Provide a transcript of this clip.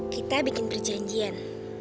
kita bikin perjanjian